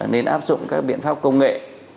nên áp dụng các biện pháp công nghệ